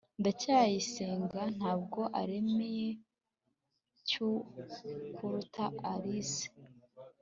ndacyayisenga ntabwo aremereye cy kuruta alice